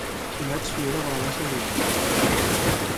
Dimarts na Fiona vol anar a Sant Joan.